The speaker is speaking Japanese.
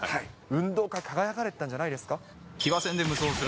運動会、輝かれてたんじゃないですか？